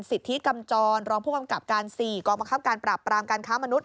สิทธิกำจรรองผู้กำกับการ๔กองบังคับการปราบปรามการค้ามนุษ